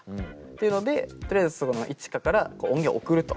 っていうのでとりあえずＩｃｈｉｋａから音源を送ると。